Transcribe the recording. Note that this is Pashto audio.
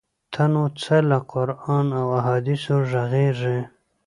ته نو څه له قران او احادیثو ږغیږې؟!